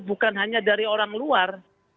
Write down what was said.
bukan hanya dari orang luar